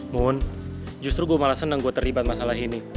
moon justru gue malah seneng gue terlibat masalah ini